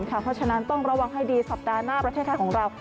เพราะฉะนั้นต้องระวังให้ดีสัปดาห์หน้าประเทศไทยของเรา